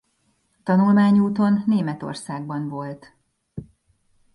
Tanulmányúton Németországban volt.